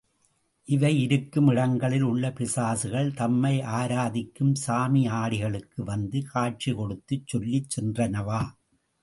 இவை இருக்கும் இடங்களில் உள்ள பிசாசுகள், தம்மை ஆராதிக்கும் சாமியாடிகளுக்கு வந்து காட்சி கொடுத்துச் சொல்லிச் சென்றனவா?